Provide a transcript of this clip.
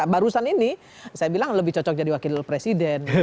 barusan ini saya bilang lebih cocok jadi wakil presiden